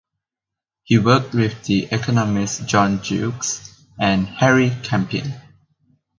He worked with the economists John Jewkes and Harry Campion.